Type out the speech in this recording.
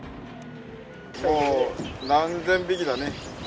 もう何千匹だね。